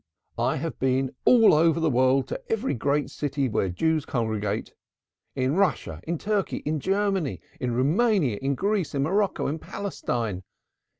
I have been all over the world to every great city where Jews congregate. In Russia, in Turkey, in Germany, in Roumania, in Greece, in Morocco, in Palestine.